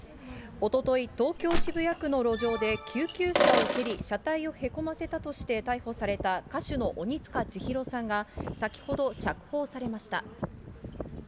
おととい、東京・渋谷区の路上で救急車を蹴り、車体をへこませたとして逮捕された歌手の鬼束ちひろさんが先ほど、釈放されました。